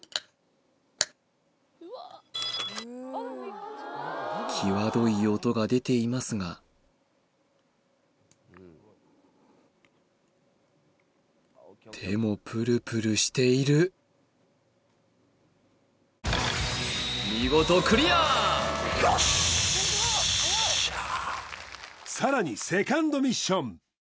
俳優際どい音が出ていますが手もプルプルしている見事さらにセカンドミッション！